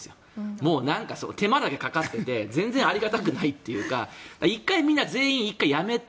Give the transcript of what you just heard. もうなんか、手間だけかかってて全然ありがたくないというか１回みんなやめて